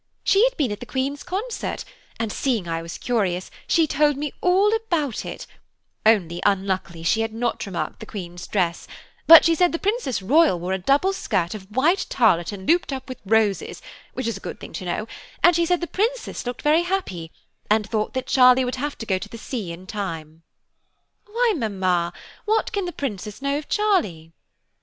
She had been at the Queen's concert, and seeing I was curious, she told me all about it; only, unluckily, she had not remarked the Queen's dress; but she said the Princess Royal wore a double skirt of white tarlatan looped up with roses, which is a good thing to know, and she said the Princess looked very happy, and thought that Charlie would have to go to the sea in time." "Why, mamma, what can the Princess know of Charlie?"